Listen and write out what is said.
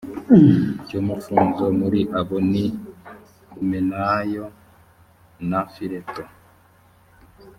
cy umufunzo muri abo ni humenayo na fileto